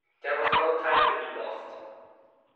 There was no time to be lost.